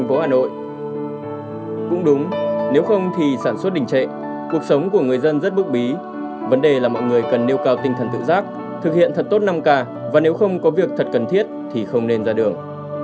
và nếu không có việc thật cần thiết thì không nên ra đường